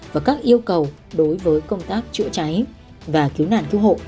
và các yêu cầu đối với công tác giữa cháy và kiếm nản kêu hộ